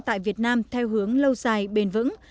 tại việt nam theo hướng lâu dài bền vững